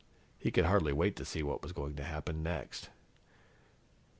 He could hardly wait to see what was going to happen next.